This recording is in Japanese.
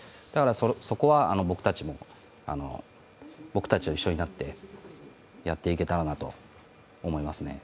そこは僕たちも一緒になってやっていけたらなと思いますね。